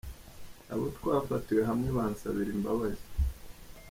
abo twafatiwe hamwe bansabira imbabazi.